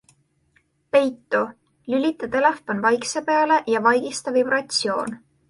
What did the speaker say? PEITU - lülita telefon vaikse peale ja vaigista vibratsioon.